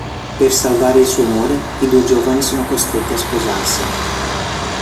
Per salvare il suo onore, i due giovani sono costretti a sposarsi.